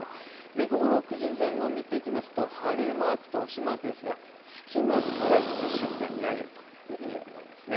午後６時前後を見ていきますと晴れマークと星マークですが隙間から月食が見られるというふうに思います。